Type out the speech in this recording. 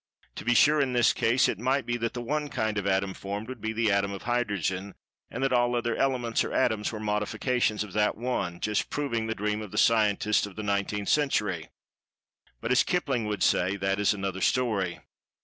To be sure, in this case, it might be that the one kind of Atom formed would be the Atom of Hydrogen, and that all other Elements, or Atoms, were modifications of that one—just proving the dream of the Scientists of the Nineteenth Century. But, as Kipling would say, "that is another story."